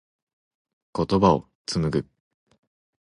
言葉を紡ぐ。